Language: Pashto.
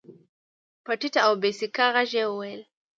په ټيټ او بې سېکه غږ يې وويل.